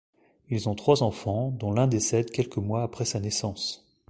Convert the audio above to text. Ils ont trois enfants, dont l'un décède quelques mois après sa naissance.